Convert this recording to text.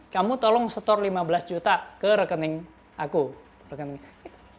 kamu tolong store lima belas juta ke rekening aku rekening